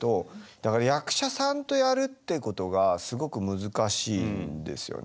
だから役者さんとやるってことがすごく難しいんですよね。